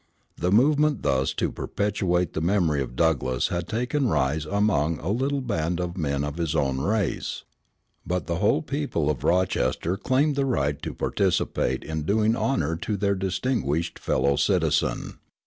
The movement thus to perpetuate the memory of Douglass had taken rise among a little band of men of his own race, but the whole people of Rochester claimed the right to participate in doing honor to their distinguished fellow citizen.